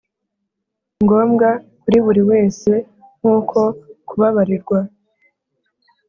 ngombwa kuri buri wese nk’uko kubabarirwa